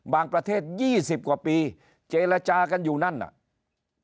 ประเทศ๒๐กว่าปีเจรจากันอยู่นั่นน่ะ